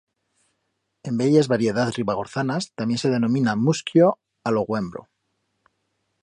En bellas variedaz ribagorzanas tamién se denomina muscllo a lo huembro.